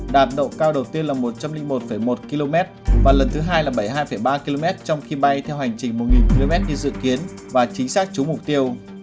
đạt độ cao đầu tiên là một trăm linh một một km và lần thứ hai là bảy mươi hai ba km trong khi bay theo hành trình một km như dự kiến và chính xác chúng mục tiêu